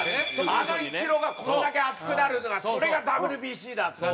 あのイチローがこれだけ熱くなるのがそれがＷＢＣだっていう。